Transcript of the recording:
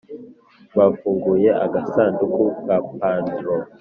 bafunguye agasanduku ka pandora